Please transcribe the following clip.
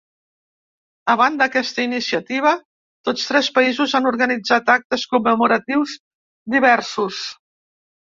A banda aquesta iniciativa, tots tres països han organitzat actes commemoratius diversos.